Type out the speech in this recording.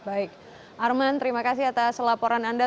baik arman terima kasih atas laporan anda